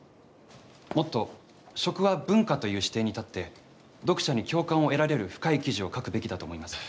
もっと「食は文化」という視点に立って読者に共感を得られる深い記事を書くべきだと思います。